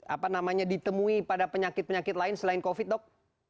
apa namanya ditemui pada penyakit penyakit lain selain covid dok